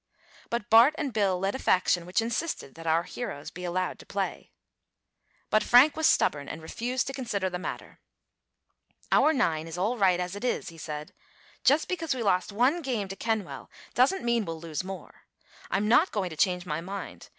But Bart and Bill led a faction which insisted that our heroes be allowed to play. But Frank was stubborn and refused to consider the matter. "Our nine is all right as it is," he said. "Just because we lost one game to Kenwell doesn't mean we'll lose more. I'm not going to change my mind.